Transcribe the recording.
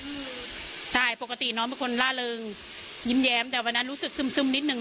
อืมใช่ปกติน้องเป็นคนล่าเริงยิ้มแย้มแต่วันนั้นรู้สึกซึมซึมนิดนึ